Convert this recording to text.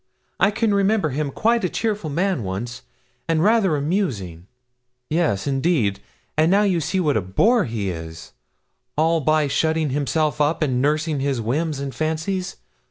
I can remember him quite a cheerful man once, and rather amusing yes, indeed and now you see what a bore he is all by shutting himself up and nursing his whims and fancies.